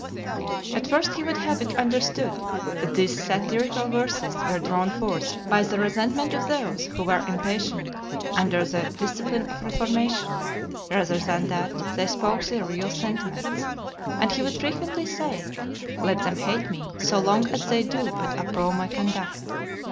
At first he would have it understood, that these satirical verses were drawn forth by the resentment of those who were impatient under the discipline of reformation, rather than that they spoke their real sentiments; and he would frequently say, "Let them hate me, so long as they do but approve my conduct."